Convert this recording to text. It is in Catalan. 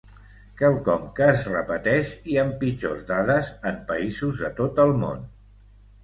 Quelcom que es repeteix, i amb pitjors dades, en països de tot el món.